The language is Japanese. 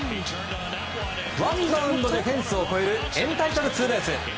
ワンバウンドでフェンスを越えるエンタイトルツーベース。